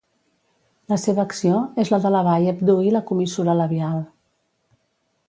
La seva acció és la d'elevar i abduir la comissura labial.